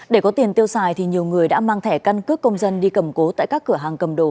để có tiền tiêu xài thì nhiều người đã mang thẻ căn cước công dân đi cầm cố tại các cửa hàng cầm đồ